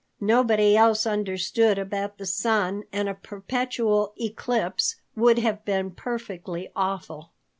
"Nobody else understood about the sun and a perpetual eclipse would have been perfectly awful."